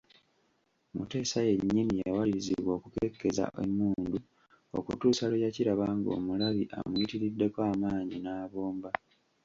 Muteesa yennyini yawalirizibwa okukekkeza emmundu okutuusa lwe yakiraba ng’omulabe amuyitiriddeko amaanyi n'abomba.